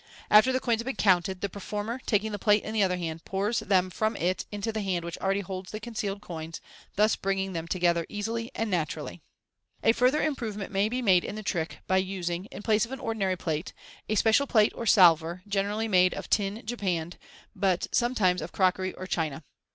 After the coins have been counted, the per former, taking the plate in the other hand, pours them from it into the hand which air, ady holds the concealed coins, thus bringing them together easily and naturally. MODERN MAGIC 177 A further improvement may be made in the trick by using, in place of an ordinary plate, a special plate or salver, generally made of tin japanned, but sometimes of crockery or china.